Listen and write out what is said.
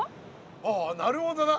ああなるほどな。